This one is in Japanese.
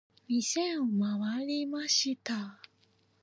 店を回りました。